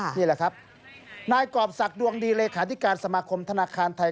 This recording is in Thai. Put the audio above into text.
นี่แหละครับนายกรอบศักดวงดีเลขาธิการสมาคมธนาคารไทย